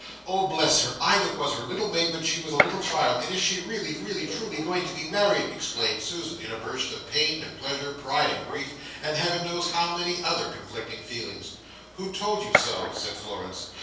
"Oh bless her! I that was her little maid when she was a little child! and is she really, really truly going to be married?" exclaimed Susan, in a burst of pain and pleasure, pride and grief, and Heaven knows how many other conflicting feelings. "Who told you so?" said Florence.